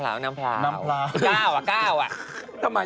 ก้าวอ่ะเก้า